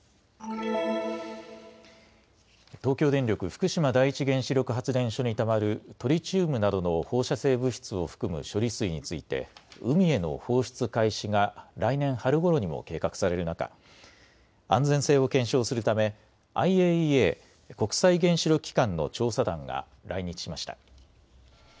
東京電力福島第一原子力発電所にたまるトリチウムなどの放射性物質を含む処理水について海への放出開始が来年春ごろにも計画される中、安全性を検証するためＩＡＥＡ・国際原子力機関の調査団が来日しました。